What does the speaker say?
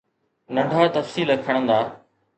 ننڍا تفصيل کڻندا